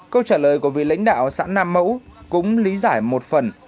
câu trả lời của vị lãnh đạo xã nam mẫu cũng lý giải một phần